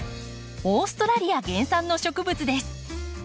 オーストラリア原産の植物です。